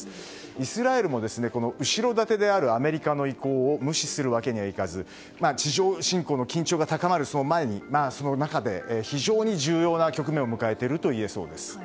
イスラエルも後ろ盾であるアメリカの意向を無視するわけにはいかず地上侵攻の緊張が高まる前にその中で非常に重要な局面を迎えているといえそうです。